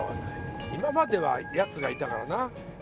今まではヤツがいたからな。